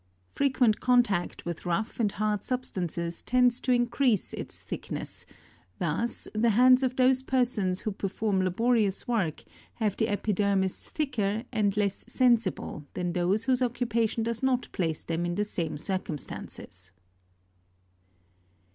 Frequent contact with rough and hard substances tends to increase its thickness, thus, the hands of those persons who perform laborious work have the epidermis thicker and less sensible than those whose occupation does not place them in the same circumstances.